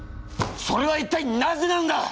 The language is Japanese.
それは一体なぜなんだ！？